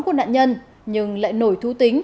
của nạn nhân nhưng lại nổi thú tính